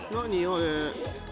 あれ。